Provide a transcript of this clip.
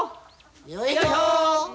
よいしょ。